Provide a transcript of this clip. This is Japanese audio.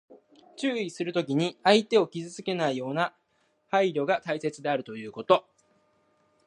注意するときに、相手を傷つけないような配慮が大切であるということ。